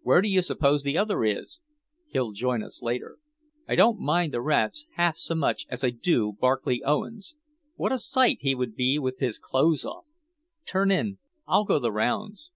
"Where do you suppose the other is?" "He'll join us later. I don't mind the rats half so much as I do Barclay Owens. What a sight he would be with his clothes off! Turn in; I'll go the rounds."